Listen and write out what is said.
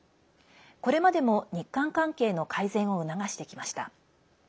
これまでも日韓関係の改善を促してきました。